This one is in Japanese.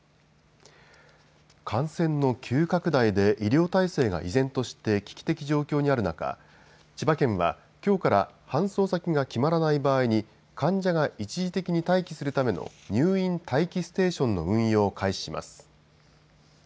感染の急拡大で医療体制が依然として危機的状況にある中、千葉県はきょうから搬送先が決まらない場合に、患者が一時的に待機するための入院待機ステーションの運用を開始します。